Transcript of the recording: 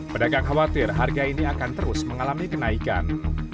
pedagang khawatir harga ini akan terus mengalami kenaikan